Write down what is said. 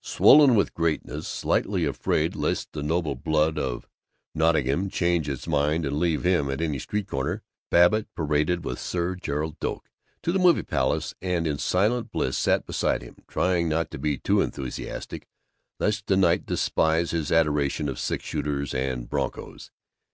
Swollen with greatness, slightly afraid lest the noble blood of Nottingham change its mind and leave him at any street corner, Babbitt paraded with Sir Gerald Doak to the movie palace and in silent bliss sat beside him, trying not to be too enthusiastic, lest the knight despise his adoration of six shooters and broncos.